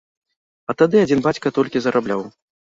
А тады адзін бацька толькі зарабляў.